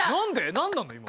何なの今の。